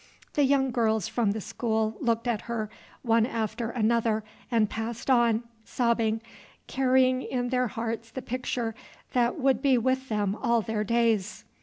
The young girls from the school looked at her, one after another, and passed on, sobbing, carrying in their hearts the picture that would be with them all their days.